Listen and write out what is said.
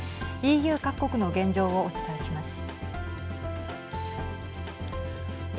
ＥＵ各国の現状をお伝えします。